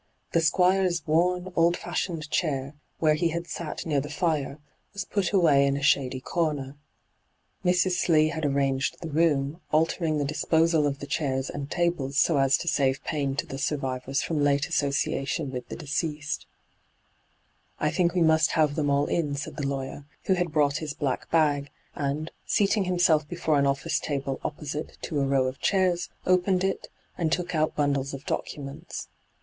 The Squire's worn, old fashioned chair, where he had sat near the fire, was put away in a shady comer. Mrs. Slee had arranged the room, altering the disposal of the chairs and tables so as to save pain to the survivors from late association with the deceased. hyGoogIc 88 ENTRAPPED ' I thinli we moBt have them all in,' said the lawyer, who had brought his black bag, aod, seating himself before an office table opposite to a row of chairs, opened it and took out bundles of documents.